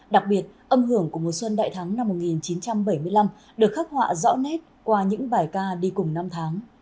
đặc biệt âm hưởng của mùa xuân đại thắng năm một nghìn chín trăm bảy mươi năm được khắc họa rõ nét qua những bài ca đi cùng năm tháng